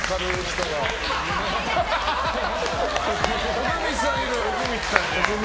徳光さんいる！